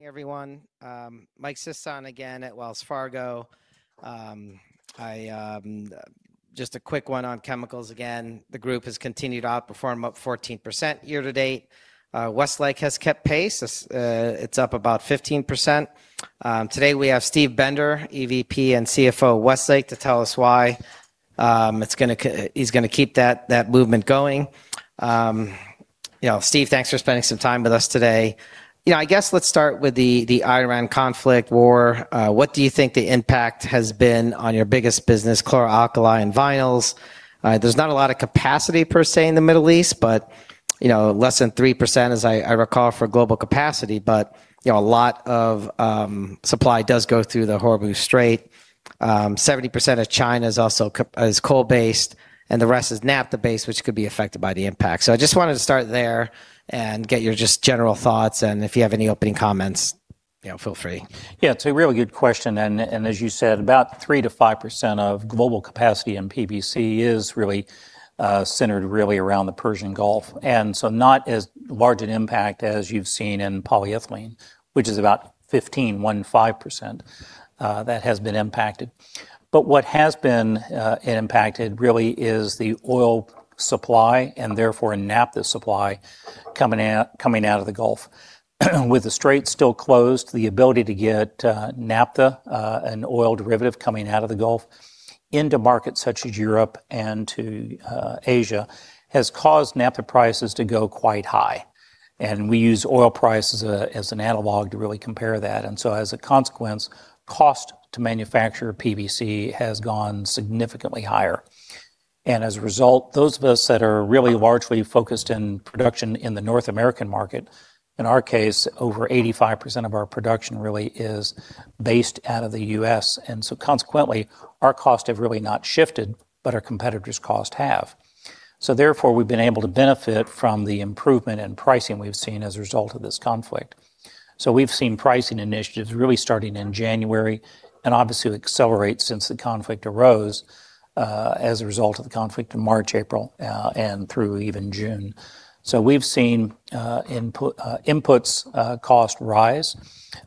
Everyone. Mike Sison again at Wells Fargo. A quick one on chemicals again. The group has continued to outperform, up 14% year-to-date. Westlake has kept pace. It is up about 15%. Today we have Steve Bender, EVP and CFO, Westlake, to tell us why he is going to keep that movement going. Steve, thanks for spending some time with us today. Let us start with the Iran conflict war. What do you think the impact has been on your biggest business, chlor-alkali and vinyls? There is not a lot of capacity per se in the Middle East, less than 3%, as I recall, for global capacity. A lot of supply does go through the Strait of Hormuz. 70% of China is coal based, the rest is naphtha based, which could be affected by the impact. I wanted to start there and get your general thoughts. If you have any opening comments, feel free. It is a really good question. As you said, about 3%-5% of global capacity in PVC is really centered around the Persian Gulf. Not as large an impact as you have seen in polyethylene, which is about 15%, that has been impacted. What has been impacted really is the oil supply and therefore naphtha supply coming out of the Gulf. With the strait still closed, the ability to get naphtha, an oil derivative coming out of the Gulf into markets such as Europe and to Asia, has caused naphtha prices to go quite high. We use oil price as an analog to really compare that. As a consequence, cost to manufacture PVC has gone significantly higher. As a result, those of us that are really largely focused in production in the North American market, in our case, over 85% of our production really is based out of the U.S. Consequently, our costs have really not shifted, our competitors' costs have. Therefore, we have been able to benefit from the improvement in pricing we have seen as a result of this conflict. We have seen pricing initiatives really starting in January and obviously accelerate since the conflict arose, as a result of the conflict in March, April, and through even June. We have seen inputs cost rise,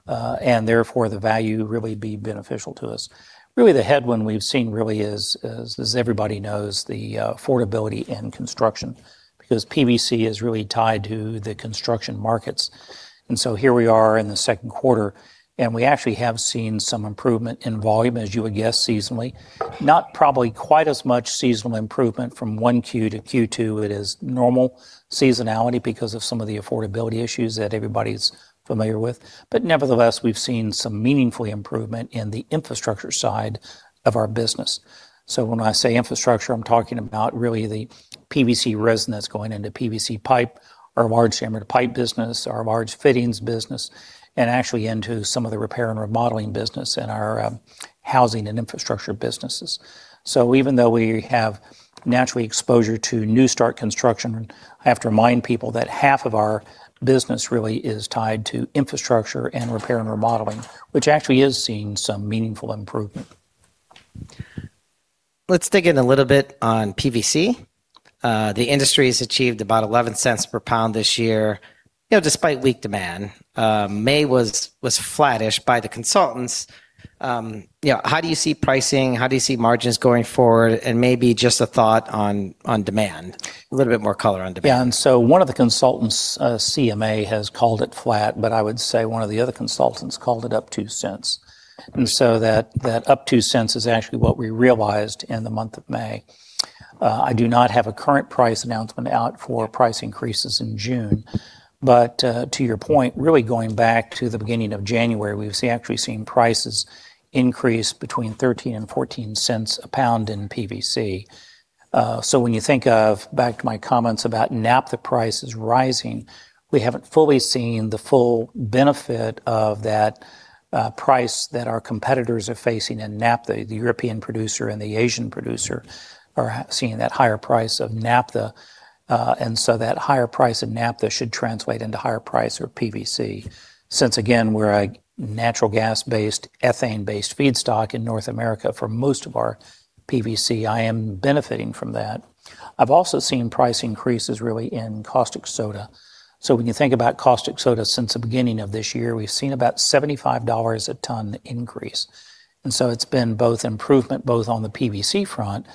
therefore the value really be beneficial to us. The headwind we have seen really is, as everybody knows, the affordability in construction, because PVC is really tied to the construction markets. Here we are in the second quarter. We actually have seen some improvement in volume, as you would guess, seasonally. Not probably quite as much seasonal improvement from 1Q-2Q. It is normal seasonality because of some of the affordability issues that everybody's familiar with. Nevertheless, we've seen some meaningful improvement in the infrastructure side of our business. When I say infrastructure, I'm talking about really the PVC resin that's going into PVC pipe, our large diameter pipe business, our large fittings business, and actually into some of the repair and remodeling business in our housing and infrastructure businesses. Even though we have naturally exposure to new start construction, I have to remind people that half of our business really is tied to infrastructure and repair and remodeling, which actually is seeing some meaningful improvement. Let's dig in a little bit on PVC. The industry's achieved about $0.11 per pound this year despite weak demand. May was flattish by the consultants. How do you see pricing? How do you see margins going forward? Maybe just a thought on demand. A little bit more color on demand. One of the consultants, CMA, has called it flat, but I would say one of the other consultants called it up $0.02. That up $0.02 is actually what we realized in the month of May. I do not have a current price announcement out for price increases in June, but to your point, really going back to the beginning of January, we've actually seen prices increase between $0.13 and $0.14 a pound in PVC. When you think of back to my comments about naphtha prices rising, we haven't fully seen the full benefit of that price that our competitors are facing in naphtha. The European producer and the Asian producer are seeing that higher price of naphtha, and that higher price of naphtha should translate into higher price of PVC. Since again, we're a natural gas-based, ethane-based feedstock in North America for most of our PVC, I am benefiting from that. I've also seen price increases really in caustic soda. When you think about caustic soda since the beginning of this year, we've seen about $75 a ton increase. It's been both improvement both on the PVC front,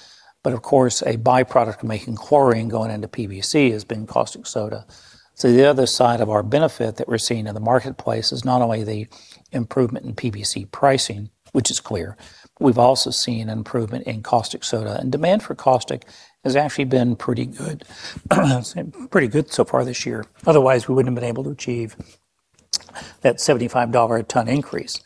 but of course, a byproduct of making chlorine going into PVC has been caustic soda. The other side of our benefit that we're seeing in the marketplace is not only the improvement in PVC pricing, which is clear, we've also seen improvement in caustic soda. Demand for caustic has actually been pretty good so far this year. Otherwise, we wouldn't have been able to achieve that $75 a ton increase.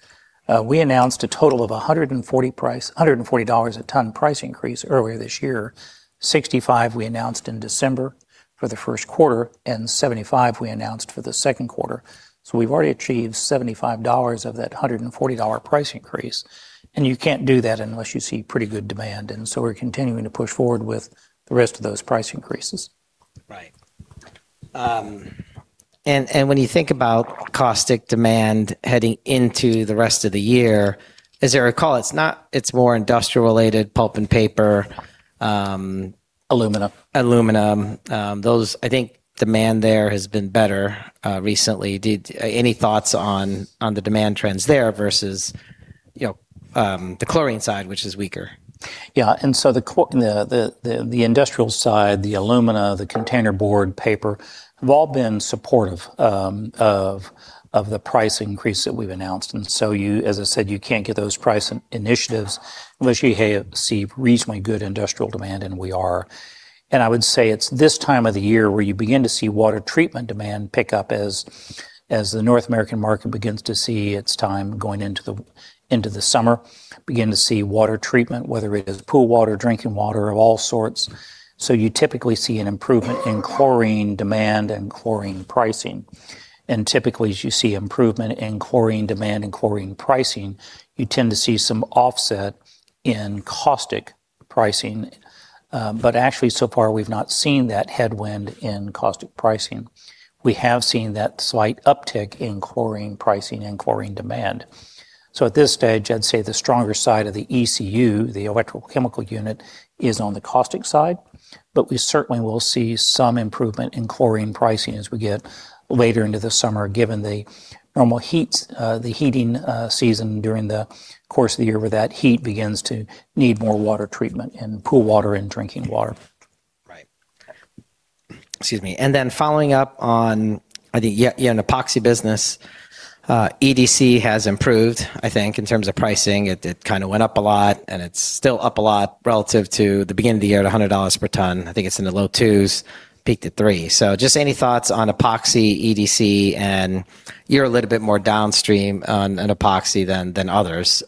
We announced a total of $140 a ton price increase earlier this year. $65 we announced in December for the first quarter, and $75 we announced for the second quarter. We've already achieved $75 of that $140 price increase, and you can't do that unless you see pretty good demand. We're continuing to push forward with the rest of those price increases. Right. When you think about caustic demand heading into the rest of the year, as I recall, it's more industrial related, pulp and paper- Alumina Alumina. I think demand there has been better recently. Any thoughts on the demand trends there versus the chlorine side, which is weaker? Yeah. The industrial side, the alumina, the container board paper, have all been supportive of the price increase that we've announced. As I said, you can't get those price initiatives unless you have reasonably good industrial demand, and we are. I would say it's this time of the year where you begin to see water treatment demand pick up as the North American market begins to see its time going into the summer. Begin to see water treatment, whether it is pool water, drinking water of all sorts. You typically see an improvement in chlorine demand and chlorine pricing. Typically, as you see improvement in chlorine demand and chlorine pricing, you tend to see some offset in caustic pricing. Actually, so far, we've not seen that headwind in caustic pricing. We have seen that slight uptick in chlorine pricing and chlorine demand. At this stage, I'd say the stronger side of the ECU, the electrochemical unit, is on the caustic side. We certainly will see some improvement in chlorine pricing as we get later into the summer, given the normal heating season during the course of the year, where that heat begins to need more water treatment in pool water and drinking water. Right. Excuse me. Following up on, in epoxy business, EDC has improved in terms of pricing. It kind of went up a lot, and it's still up a lot relative to the beginning of the year at $100 per ton. I think it's in the low twos, peaked at three. Just any thoughts on epoxy EDC, and you're a little bit more downstream on an epoxy than others.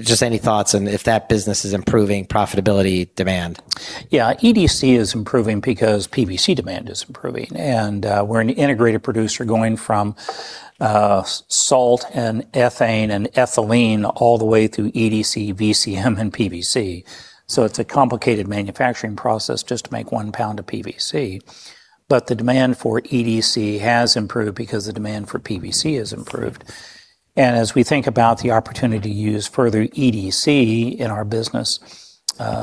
Just any thoughts on if that business is improving profitability demand? EDC is improving because PVC demand is improving. We're an integrated producer going from salt and ethane and ethylene all the way through EDC, VCM, and PVC. It's a complicated manufacturing process just to make one pound of PVC. The demand for EDC has improved because the demand for PVC has improved. As we think about the opportunity to use further EDC in our business,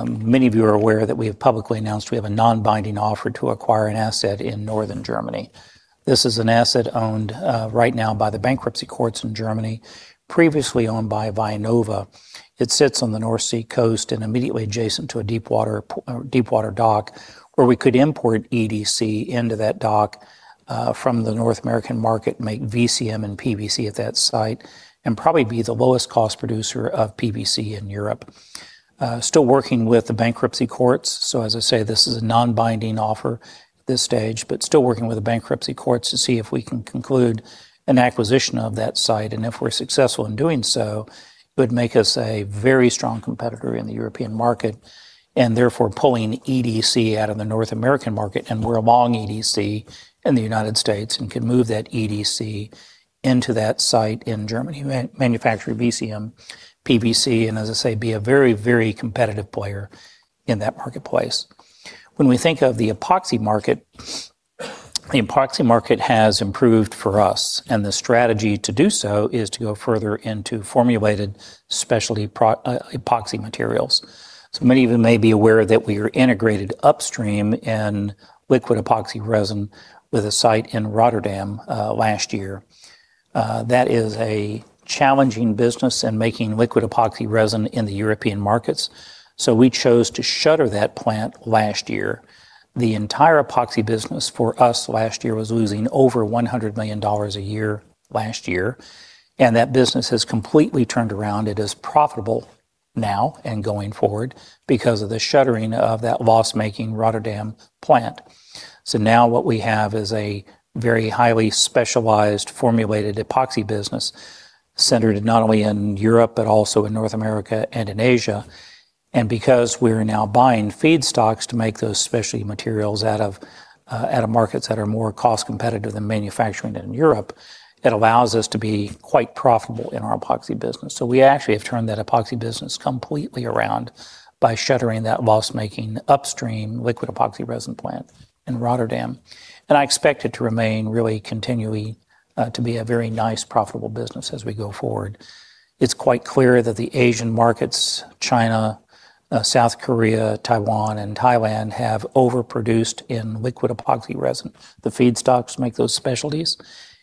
many of you are aware that we have publicly announced we have a non-binding offer to acquire an asset in Northern Germany. This is an asset owned right now by the bankruptcy courts in Germany, previously owned by Vynova. It sits on the North Sea coast and immediately adjacent to a deep water dock where we could import EDC into that dock from the North American market, make VCM and PVC at that site, and probably be the lowest cost producer of PVC in Europe. Still working with the bankruptcy courts, as I say, this is a non-binding offer at this stage, still working with the bankruptcy courts to see if we can conclude an acquisition of that site. If we're successful in doing so, it would make us a very strong competitor in the European market, therefore pulling EDC out of the North American market. We're a long EDC in the United States and can move that EDC into that site in Germany, manufacture VCM, PVC, as I say, be a very competitive player in that marketplace. When we think of the epoxy market, the epoxy market has improved for us, and the strategy to do so is to go further into formulated specialty epoxy materials. Many of you may be aware that we are integrated upstream in liquid epoxy resin with a site in Rotterdam last year. That is a challenging business in making liquid epoxy resin in the European markets. We chose to shutter that plant last year. The entire epoxy business for us last year was losing over $100 million a year last year, and that business has completely turned around. It is profitable now and going forward because of the shuttering of that loss-making Rotterdam plant. Now what we have is a very highly specialized, formulated epoxy business centered not only in Europe, but also in North America and in Asia. Because we are now buying feedstocks to make those specialty materials out of markets that are more cost competitive than manufacturing it in Europe, it allows us to be quite profitable in our epoxy business. We actually have turned that epoxy business completely around by shuttering that loss-making upstream liquid epoxy resin plant in Rotterdam. I expect it to remain really continually to be a very nice, profitable business as we go forward. It's quite clear that the Asian markets, China, South Korea, Taiwan, and Thailand, have overproduced in liquid epoxy resin. The feedstocks make those specialties,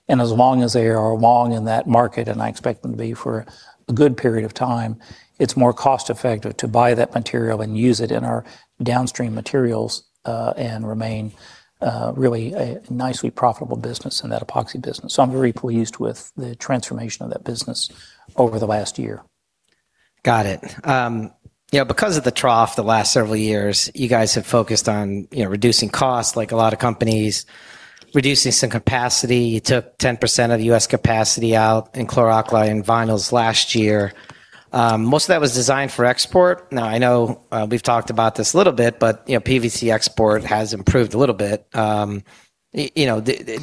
and as long as they are long in that market, and I expect them to be for a good period of time, it's more cost effective to buy that material and use it in our downstream materials and remain really a nicely profitable business in that epoxy business. I'm very pleased with the transformation of that business over the last year. Got it. Because of the trough the last several years, you guys have focused on reducing costs, like a lot of companies, reducing some capacity. You took 10% of the U.S. capacity out in chlor-alkali and vinyls last year. Most of that was designed for export. I know we've talked about this a little bit, PVC export has improved a little bit. Do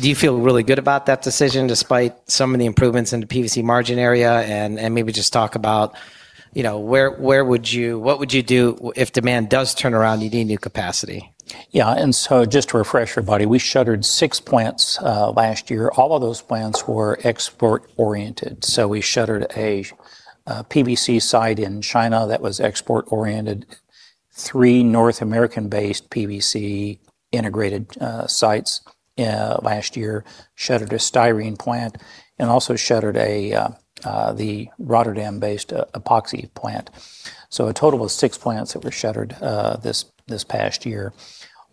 you feel really good about that decision despite some of the improvements in the PVC margin area? Maybe just talk about what would you do if demand does turn around and you need new capacity? Yeah. Just to refresh everybody, we shuttered six plants last year. All of those plants were export-oriented. We shuttered a PVC site in China that was export-oriented, three North American-based PVC integrated sites last year, shuttered a styrene plant, and also shuttered the Rotterdam-based epoxy plant. A total of six plants that were shuttered this past year,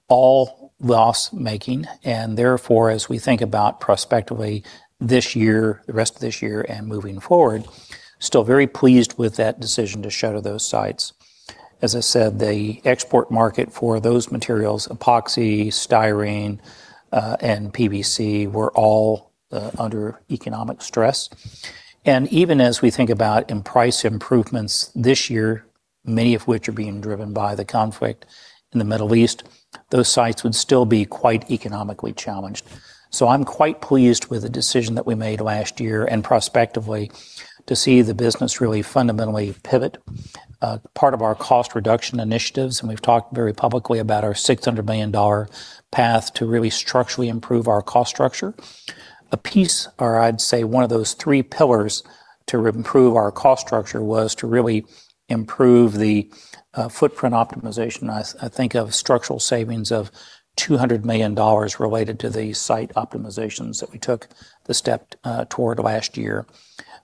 all loss-making, and therefore, as we think about prospectively the rest of this year and moving forward, still very pleased with that decision to shutter those sites. As I said, the export market for those materials, epoxy, styrene, and PVC, were all under economic stress. Even as we think about in price improvements this year, many of which are being driven by the conflict in the Middle East, those sites would still be quite economically challenged. I'm quite pleased with the decision that we made last year and prospectively to see the business really fundamentally pivot. Part of our cost reduction initiatives. We've talked very publicly about our $600 million path to really structurally improve our cost structure. A piece, or I'd say one of those three pillars to improve our cost structure was to really improve the footprint optimization. I think of structural savings of $200 million related to the site optimizations that we took the step toward last year.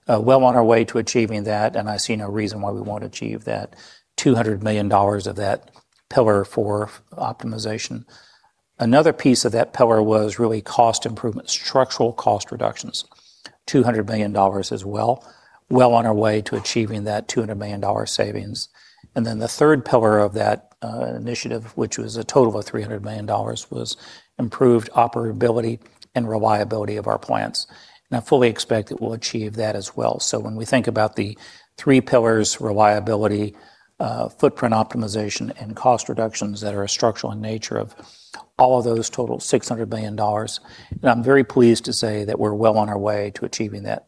Well on our way to achieving that. I see no reason why we won't achieve that $200 million of that pillar for optimization. Another piece of that pillar was really cost improvement, structural cost reductions, $200 million as well, well on our way to achieving that $200 million savings. The third pillar of that initiative, which was a total of $300 million, was improved operability and reliability of our plants. I fully expect that we'll achieve that as well. When we think about the three pillars, reliability, footprint optimization, and cost reductions that are structural in nature of all of those total $600 million, I'm very pleased to say that we're well on our way to achieving that.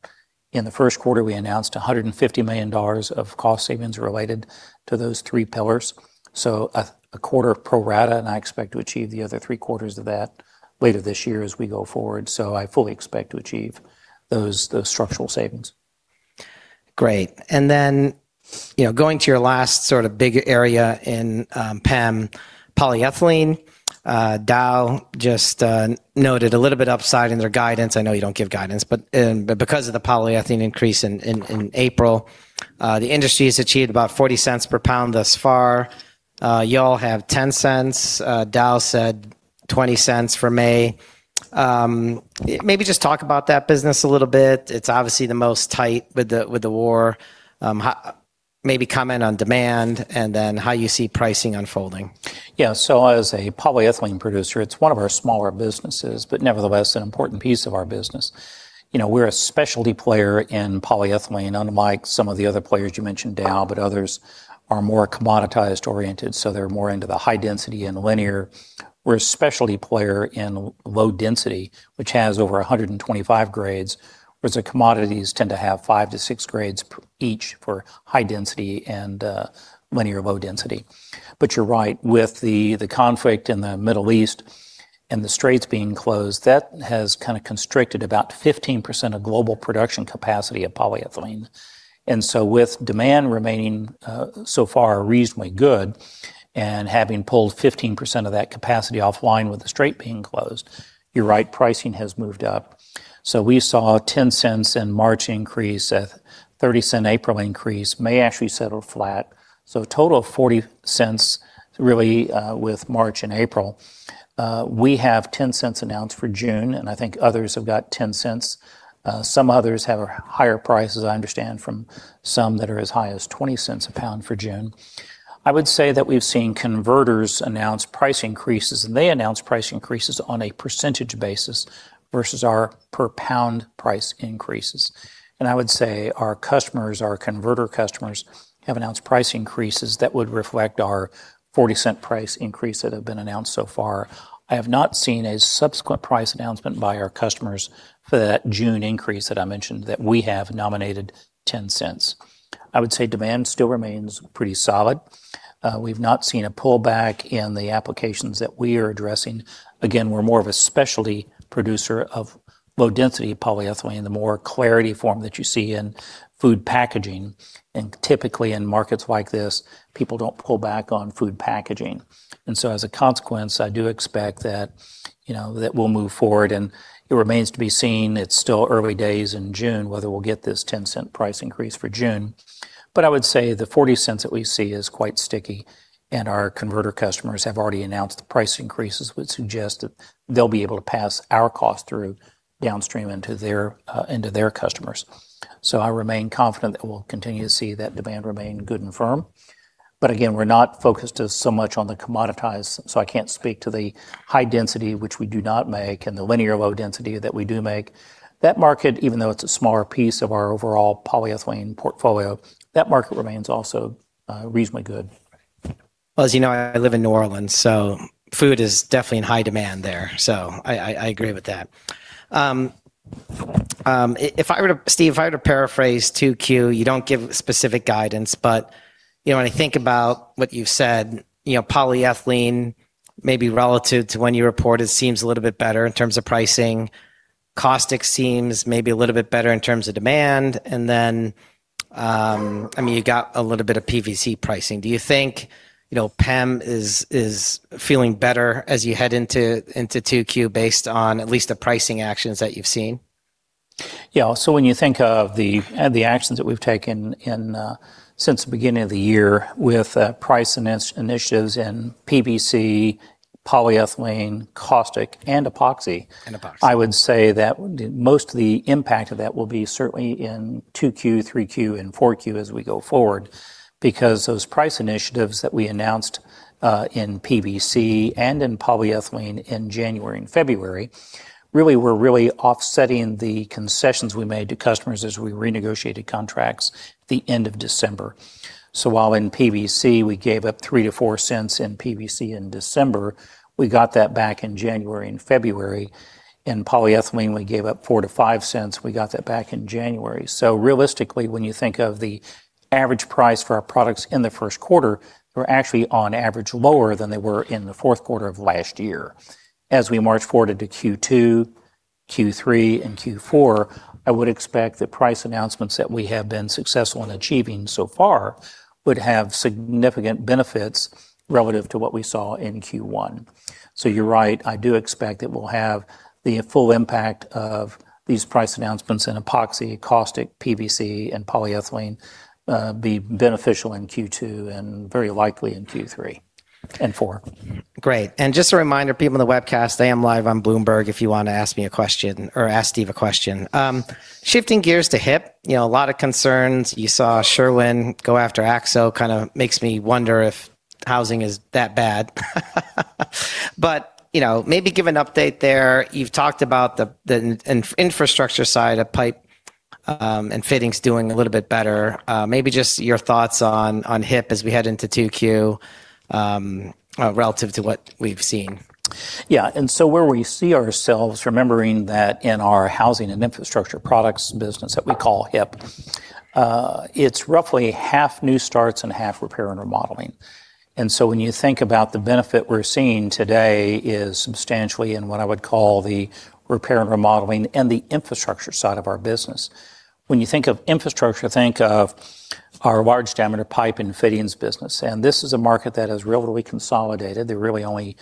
In the first quarter, we announced $150 million of cost savings related to those three pillars. A quarter pro rata, and I expect to achieve the other three quarters of that later this year as we go forward. I fully expect to achieve those structural savings. Great. Going to your last sort of big area in PEM, polyethylene. Dow just noted a little bit upside in their guidance. I know you don't give guidance. Because of the polyethylene increase in April, the industry has achieved about $0.40 per pound thus far. You all have $0.10. Dow said $0.20 for May. Maybe just talk about that business a little bit. It's obviously the most tight with the war. Maybe comment on demand and then how you see pricing unfolding. Yeah. As a polyethylene producer, it's one of our smaller businesses, but nevertheless, an important piece of our business. We're a specialty player in polyethylene, unlike some of the other players. You mentioned Dow, but others are more commoditized-oriented, they're more into the high density and linear. We're a specialty player in low density, which has over 125 grades, whereas the commodities tend to have five to six grades each for high density and linear low density. You're right, with the conflict in the Middle East and the Straits being closed, that has kind of constricted about 15% of global production capacity of polyethylene. With demand remaining so far reasonably good and having pulled 15% of that capacity offline with the Strait being closed, you're right, pricing has moved up. We saw $0.10 in March increase, a $0.30 April increase, May actually settle flat. A total of $0.40 really with March and April. We have $0.10 announced for June, I think others have got $0.10. Some others have higher prices, I understand, from some that are as high as $0.20 a pound for June. I would say that we've seen converters announce price increases, they announce price increases on a percentage basis versus our per pound price increases. I would say our customers, our converter customers, have announced price increases that would reflect our $0.40 price increase that have been announced so far. I have not seen a subsequent price announcement by our customers for that June increase that I mentioned that we have nominated $0.10. I would say demand still remains pretty solid. We've not seen a pullback in the applications that we are addressing. Again, we're more of a specialty producer of low density polyethylene, the more clarity form that you see in food packaging. Typically, in markets like this, people don't pull back on food packaging. As a consequence, I do expect that we'll move forward, and it remains to be seen. It's still early days in June, whether we'll get this $0.10 price increase for June. I would say the $0.40 that we see is quite sticky, our converter customers have already announced the price increases, would suggest that they'll be able to pass our cost through downstream into their customers. I remain confident that we'll continue to see that demand remain good and firm. Again, we're not focused as so much on the commoditized, I can't speak to the high density, which we do not make, and the linear low density that we do make. That market, even though it's a smaller piece of our overall polyethylene portfolio, that market remains also reasonably good. As you know, I live in New Orleans, food is definitely in high demand there. I agree with that. Steve, if I were to paraphrase 2Q, you don't give specific guidance, but when I think about what you've said, polyethylene maybe relative to when you report it seems a little bit better in terms of pricing. Caustic seems maybe a little bit better in terms of demand. You got a little bit of PVC pricing. Do you think PEM is feeling better as you head into 2Q based on at least the pricing actions that you've seen? When you think of the actions that we've taken since the beginning of the year with price initiatives in PVC, polyethylene, caustic, and epoxy. Epoxy. I would say that most of the impact of that will be certainly in 2Q, 3Q, and 4Q as we go forward because those price initiatives that we announced in PVC and in polyethylene in January and February were really offsetting the concessions we made to customers as we renegotiated contracts the end of December. While in PVC we gave up $0.03-$0.04 in PVC in December, we got that back in January and February. In polyethylene, we gave up $0.04-$0.05, we got that back in January. Realistically when you think of the average price for our products in the first quarter, they were actually on average lower than they were in the fourth quarter of last year. As we march forward into Q2, Q3, and Q4, I would expect the price announcements that we have been successful in achieving so far would have significant benefits relative to what we saw in Q1. You're right, I do expect that we'll have the full impact of these price announcements in epoxy, caustic, PVC, and polyethylene be beneficial in Q2 and very likely in Q3 and Q4. Great. Just a reminder, people on the webcast, I am live on Bloomberg if you want to ask me a question or ask Steve a question. Shifting gears to HIP, a lot of concerns. You saw Sherwin-Williams go after AkzoNobel kind of makes me wonder if housing is that bad. Maybe give an update there. You've talked about the infrastructure side of pipe and fittings doing a little bit better. Maybe just your thoughts on HIP as we head into 2Q, relative to what we've seen. Yeah. Where we see ourselves, remembering that in our Housing and Infrastructure Products business that we call HIP, it's roughly half new starts and half repair and remodeling. When you think about the benefit we're seeing today is substantially in what I would call the repair and remodeling and the infrastructure side of our business. When you think of infrastructure, think of our large diameter pipe and fittings business, this is a market that has relatively consolidated. There are really only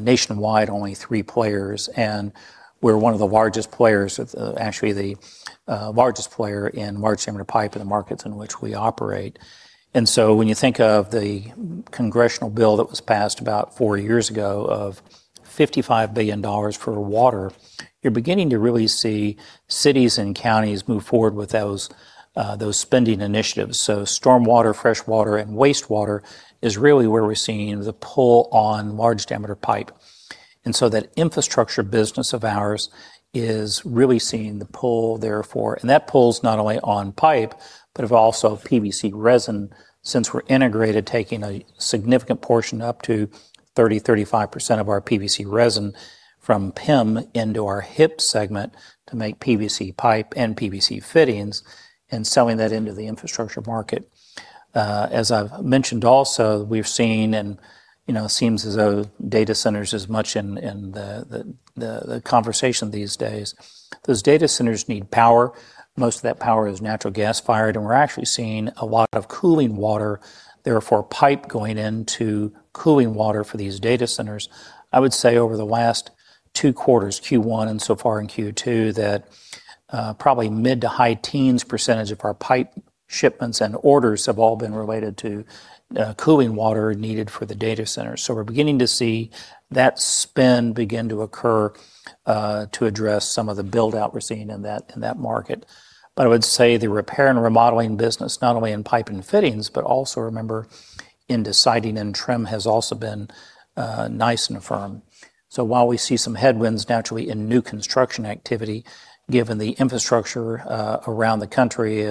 nationwide only three players, and we're one of the largest players, actually the largest player in large diameter pipe in the markets in which we operate. When you think of the congressional bill that was passed about four years ago of $55 billion for water, you're beginning to really see cities and counties move forward with those spending initiatives. Storm water, fresh water, and waste water is really where we're seeing the pull on large diameter pipe. That infrastructure business of ours is really seeing the pull therefore, and that pull is not only on pipe but of also PVC resin since we're integrated, taking a significant portion up to 30%, 35% of our PVC resin from PEM into our HIP segment to make PVC pipe and PVC fittings and selling that into the infrastructure market. As I've mentioned also, it seems as though data centers as much in the conversation these days. Those data centers need power. Most of that power is natural gas-fired, and we're actually seeing a lot of cooling water, therefore pipe going into cooling water for these data centers. I would say over the last two quarters, Q1 and so far in Q2 that probably mid-to-high teens percentage of our pipe shipments and orders have all been related to cooling water needed for the data centers. We're beginning to see that spend begin to occur to address some of the build-out we're seeing in that market. I would say the repair and remodeling business, not only in pipe and fittings, but also remember in the siding and trim has also been nice and firm. While we see some headwinds naturally in new construction activity given the infrastructure around the country,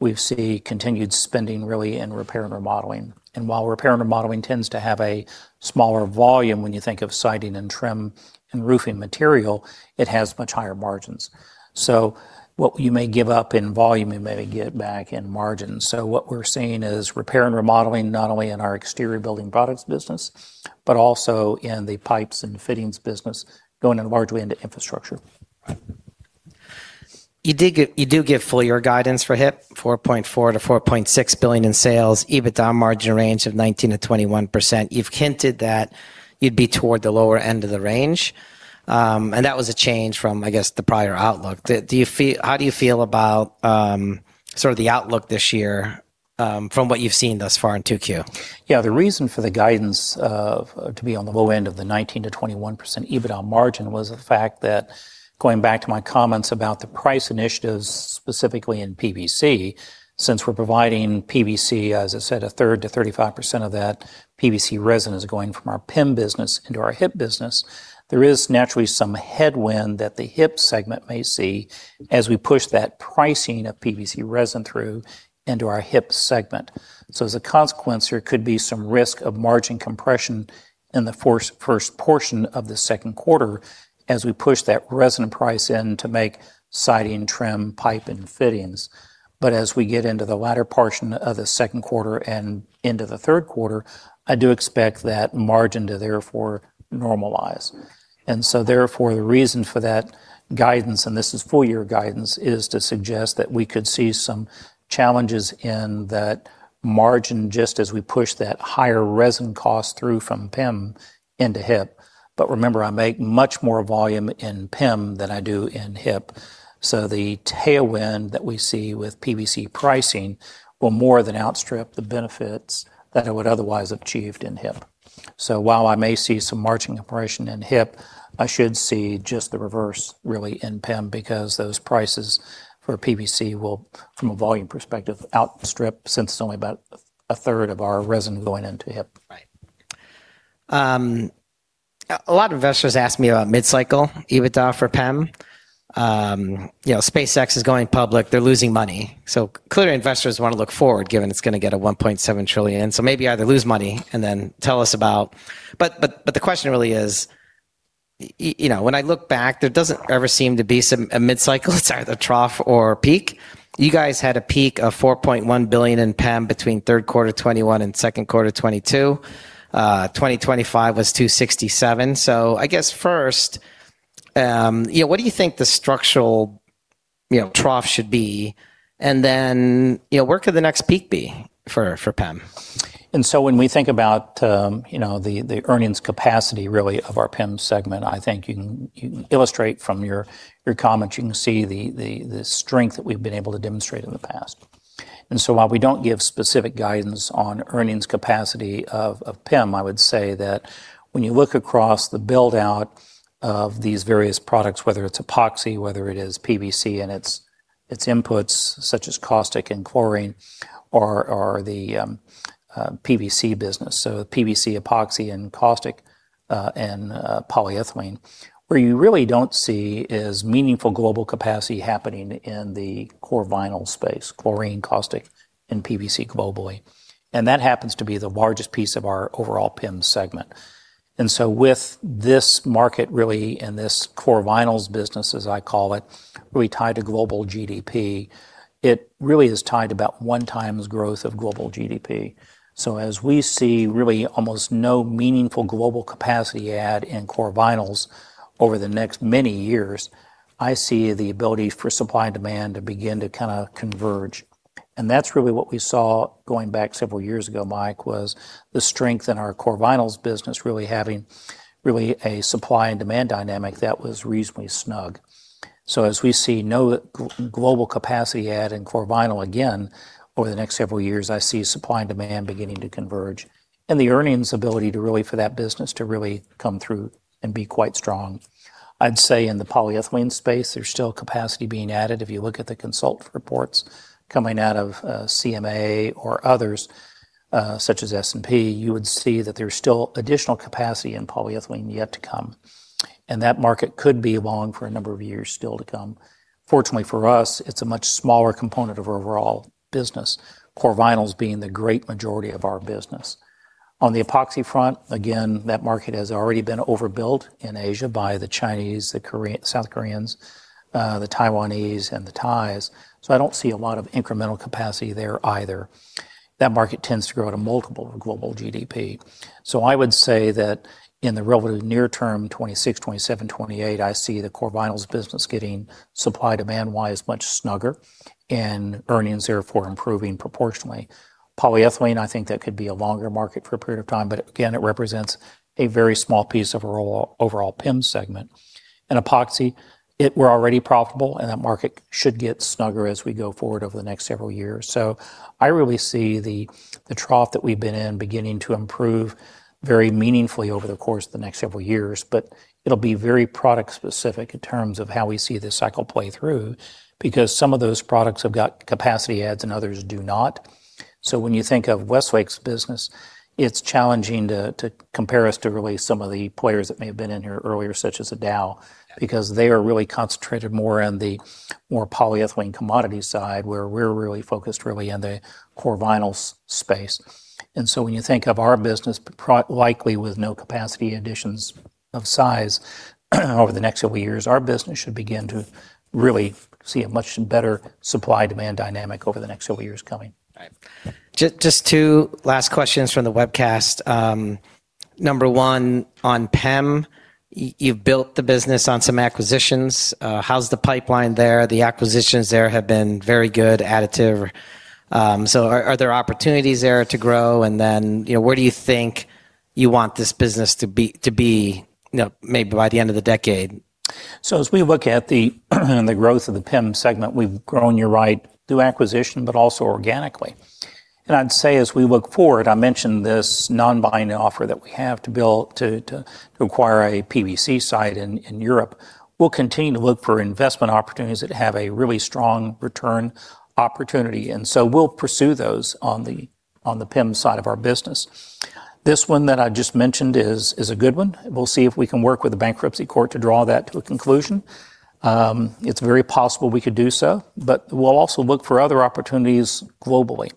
we see continued spending really in repair and remodeling. While repair and remodeling tends to have a smaller volume when you think of siding and trim and roofing material, it has much higher margins. What you may give up in volume, you maybe get back in margins. What we're seeing is repair and remodeling not only in our exterior building products business but also in the pipes and fittings business going largely into infrastructure. You do give full year guidance for HIP, $4.4 billion-$4.6 billion in sales, EBITDA margin range of 19%-21%. You've hinted that you'd be toward the lower end of the range. That was a change from, I guess, the prior outlook. How do you feel about sort of the outlook this year from what you've seen thus far in 2Q? The reason for the guidance to be on the low end of the 19%-21% EBITDA margin was the fact that going back to my comments about the price initiatives specifically in PVC since we're providing PVC, as I said, a third to 35% of that PVC resin is going from our PEM business into our HIP business. There is naturally some headwind that the HIP segment may see as we push that pricing of PVC resin through into our HIP segment. As a consequence, there could be some risk of margin compression in the first portion of the second quarter as we push that resin price in to make siding, trim, pipe, and fittings. But as we get into the latter portion of the second quarter and into the third quarter, I do expect that margin to therefore normalize. Therefore, the reason for that guidance, and this is full-year guidance, is to suggest that we could see some challenges in that margin just as we push that higher resin cost through from PEM into HIP. Remember, I make much more volume in PEM than I do in HIP, so the tailwind that we see with PVC pricing will more than outstrip the benefits that it would otherwise have achieved in HIP. While I may see some margin compression in HIP, I should see just the reverse, really, in PEM because those prices for PVC will, from a volume perspective, outstrip since it's only about a third of our resin going into HIP. Right. A lot of investors ask me about mid-cycle EBITDA for PEM. SpaceX is going public. They're losing money. Clearly investors want to look forward given it's going to get a $1.7 trillion. Maybe either lose money and then tell us about The question really is, when I look back, there doesn't ever seem to be a mid-cycle sorry, the trough or peak. You guys had a peak of $4.1 billion in PEM between third quarter 2021 and second quarter 2022. 2025 was $267. I guess first, what do you think the structural trough should be and then where could the next peak be for PEM? When we think about the earnings capacity really of our PEM segment, I think you can illustrate from your comments, you can see the strength that we've been able to demonstrate in the past. While we don't give specific guidance on earnings capacity of PEM, I would say that when you look across the build-out of these various products, whether it's epoxy, whether it is PVC and its inputs such as caustic and chlorine or the PVC business, so PVC, epoxy and caustic, and polyethylene. Where you really don't see is meaningful global capacity happening in the chlor-vinyl space, chlorine, caustic and PVC globally. That happens to be the largest piece of our overall PEM segment. With this market really, and this chlorovinyls business as I call it, really tied to global GDP, it really is tied about one times growth of global GDP. As we see really almost no meaningful global capacity add in chlorovinyls over the next many years, I see the ability for supply and demand to begin to kind of converge. That's really what we saw going back several years ago, Mike, was the strength in our chlorovinyls business really having really a supply and demand dynamic that was reasonably snug. As we see no global capacity add in chlor-vinyl again over the next several years, I see supply and demand beginning to converge and the earnings ability for that business to really come through and be quite strong. I'd say in the polyethylene space, there's still capacity being added. If you look at the consult reports coming out of CMA or others, such as S&P, you would see that there's still additional capacity in polyethylene yet to come, and that market could be long for a number of years still to come. Fortunately for us, it's a much smaller component of our overall business, chlor-vinyls being the great majority of our business. On the epoxy front, again, that market has already been overbuilt in Asia by the Chinese, the South Koreans, the Taiwanese and the Thais, I don't see a lot of incremental capacity there either. That market tends to grow at a multiple of global GDP. I would say that in the relatively near term, 2026, 2027, 2028, I see the chlor-vinyls business getting supply-demand wise much snugger and earnings therefore improving proportionately. Polyethylene, I think that could be a longer market for a period of time, but again, it represents a very small piece of our overall PEM segment. In epoxy, we're already profitable and that market should get snugger as we go forward over the next several years. I really see the trough that we've been in beginning to improve very meaningfully over the course of the next several years. It'll be very product specific in terms of how we see this cycle play through because some of those products have got capacity adds and others do not. When you think of Westlake's business, it's challenging to compare us to really some of the players that may have been in here earlier, such as Dow, because they are really concentrated more on the more polyethylene commodity side where we're really focused really on the chlor-vinyls space. When you think of our business, likely with no capacity additions of size over the next several years, our business should begin to really see a much better supply-demand dynamic over the next several years coming. Right. Just two last questions from the webcast. Number one on PEM, you've built the business on some acquisitions. How's the pipeline there? The acquisitions there have been very good additive. Are there opportunities there to grow and then where do you think you want this business to be maybe by the end of the decade? As we look at the growth of the PEM segment, we've grown, you're right, through acquisition but also organically. I'd say as we look forward, I mentioned this non-binding offer that we have to acquire a PVC site in Europe. We'll continue to look for investment opportunities that have a really strong return opportunity and we'll pursue those on the PEM side of our business. This one that I just mentioned is a good one. We'll see if we can work with the bankruptcy court to draw that to a conclusion. It's very possible we could do so, we'll also look for other opportunities globally.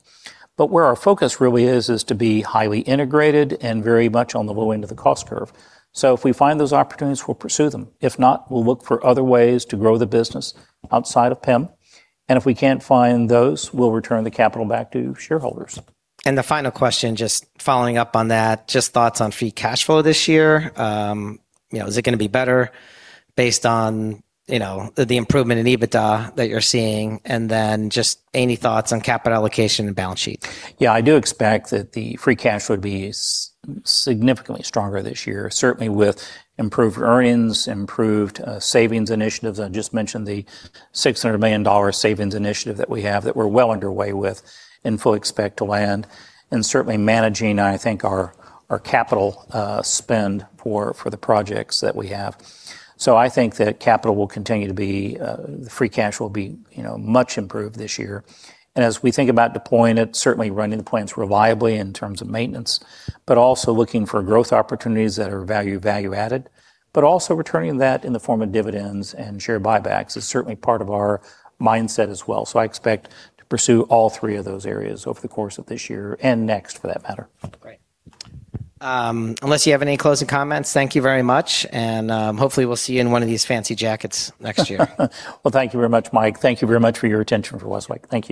Where our focus really is to be highly integrated and very much on the low end of the cost curve. If we find those opportunities, we'll pursue them. If not, we'll look for other ways to grow the business outside of PEM. If we can't find those, we'll return the capital back to shareholders. The final question, just following up on that, just thoughts on free cash flow this year. Is it going to be better based on the improvement in EBITDA that you're seeing? Just any thoughts on capital allocation and balance sheet? I do expect that the free cash flow would be significantly stronger this year, certainly with improved earnings, improved savings initiatives. I just mentioned the $600 million savings initiative that we have that we're well underway with and fully expect to land. Certainly managing, I think our capital spend for the projects that we have. I think that capital will continue to be, the free cash will be much improved this year. As we think about deploying it, certainly running the plants reliably in terms of maintenance, but also looking for growth opportunities that are value added. Also returning that in the form of dividends and share buybacks is certainly part of our mindset as well. I expect to pursue all three of those areas over the course of this year and next for that matter. Great. Unless you have any closing comments, thank you very much and hopefully we'll see you in one of these fancy jackets next year. Well, thank you very much, Mike. Thank you very much for your attention for Westlake. Thank you.